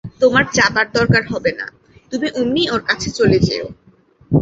তোমার চাবার দরকার হবে না, তুমি অমনিই ওঁর কাছে চলে যেয়ো।